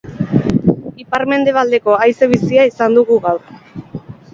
Ipar-mendebaldeko haize bizia izan dugu gaur.